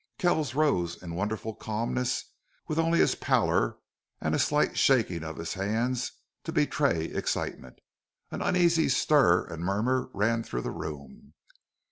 Kells rose in wonderful calmness, with only his pallor and a slight shaking of his hands to betray excitement. An uneasy stir and murmur ran through the room.